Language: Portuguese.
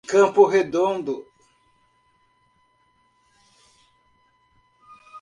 Campo Redondo